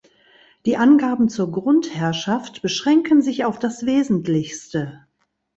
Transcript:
Die Angaben zur Grundherrschaft beschränken sich auf das Wesentlichste.